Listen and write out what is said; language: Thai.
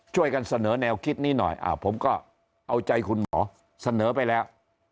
ช่วยกันเสนอแนวคิดนี้หน่อยผมก็เอาใจคุณหมอเสนอไปแล้ว